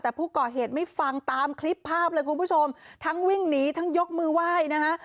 แต่ผู้ก่อเหตุไม่ฟังตามคลิปภาพเลยคุณผู้ชมทั้งวิ่งหนีทั้งยกมือไหว้นะฮะ